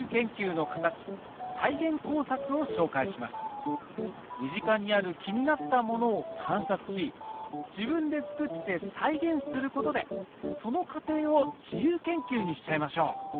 続いては身近にある気になったものを観察し自分で作って再現することでその過程を自由研究にしちゃいましょう！